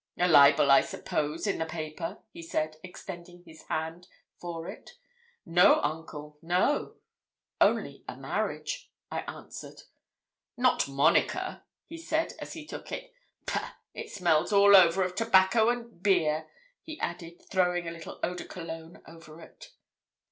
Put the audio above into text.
'A libel, I suppose, in the paper?' he said, extending his hand for it. 'No, uncle no; only a marriage,' I answered. 'Not Monica?' he said, as he took it. 'Pah, it smells all over of tobacco and beer,' he added, throwing a little eau de Cologne over it.